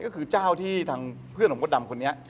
ก็คือเจ้าที่เภือนผมก็ดำคนนี้